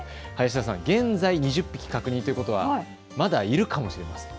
現在２０匹確認ということはまだいるかもしれません。